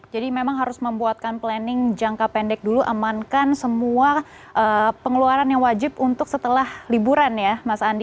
jadi memang harus membuatkan planning jangka pendek dulu amankan semua pengeluaran yang wajib untuk setelah liburan ya mas andi